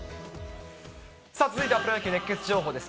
続いてはプロ野球熱ケツ情報です。